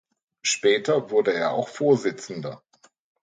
Später wurde er auch Vorsitzender.